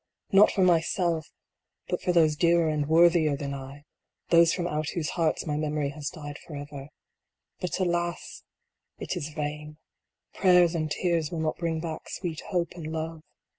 Not for myself but for those dearer and worthier than I those from out whose hearts my memory has died for ever. But, alas ! it is vain. Prayers and tears will not bring back sweet hope and love.